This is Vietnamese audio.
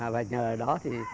và nhờ đó thì